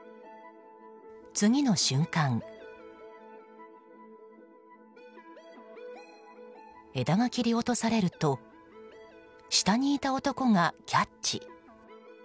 次の瞬間枝が切り落とされると下にいた男がキャッチ。